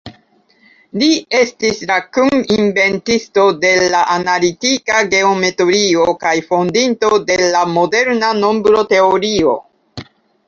Li estis la kun-inventisto de la analitika geometrio kaj fondinto de la moderna nombroteorio.